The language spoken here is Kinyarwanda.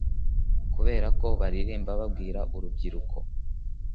kubera ko baririmba babwira urubyiruko.”